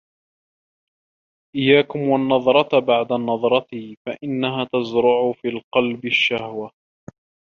إيَّاكُمْ وَالنَّظْرَةَ بَعْدَ النَّظْرَةِ فَإِنَّهَا تَزْرَعُ فِي الْقَلْبِ الشَّهْوَةَ